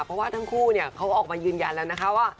เพราะว่าทั้งคู่เขาออกมายืนยันแล้วนะคะว่า